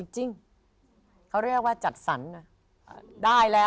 จริงเขาเรียกว่าจัดสรรค์นะ